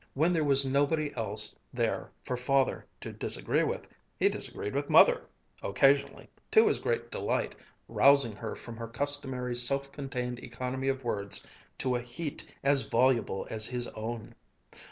When there was nobody else there for Father to disagree with, he disagreed with Mother, occasionally, to his great delight, rousing her from her customary self contained economy of words to a heat as voluble as his own.